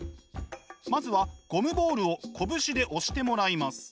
まずはゴムボールを拳で押してもらいます。